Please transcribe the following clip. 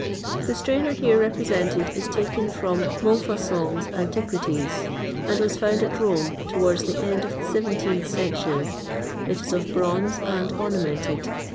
The strainer here represented is taken from Montfaucon's "Antiquities," and was found at Rome, towards the end of the 17th century. It is of bronze, and ornamented.